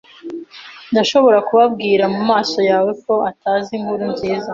Ndashobora kubabwira mumaso yawe ko atari inkuru nziza.